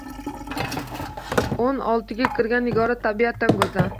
Oʻn oltiga kirgan Nigora tabiatan goʻzal.